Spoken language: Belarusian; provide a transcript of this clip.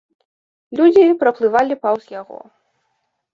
Людзі праплывалі паўз яго.